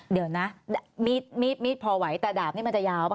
เดี๋ยวนะมีดพอไหวแต่ดาบนี่มันจะยาวป่